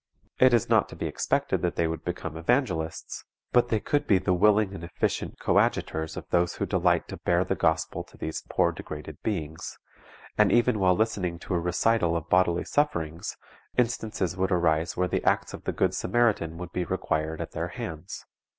It is not to be expected that they would become evangelists, but they could be the willing and efficient coadjutors of those who delight to bear the Gospel to these poor degraded beings; and even while listening to a recital of bodily sufferings, instances would arise where the acts of the good Samaritan would be required at their hands.